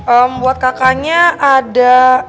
em buat kakaknya ada